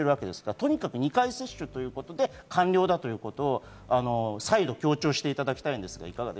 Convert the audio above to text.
とにかく２回接種で完了だということを再度強調していただきたいんですが。